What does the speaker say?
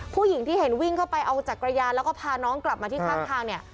ผู้หญิงที่เห็นวิ่งเข้าไปเอาจักรยานแล้วก็พาน้องกลับมาที่ข้างทางเนี่ย